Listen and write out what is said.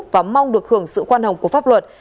và mong được hưởng sự khoan hồng của pháp luật